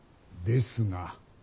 ですが